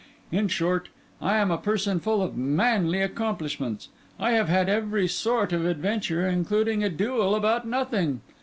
In short, I am a person full of manly accomplishments. I have had every sort of adventure, including a duel about nothing.